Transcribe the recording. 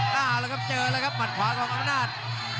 เอาละครับเจอแล้วครับหมัดขวาของอำนาจ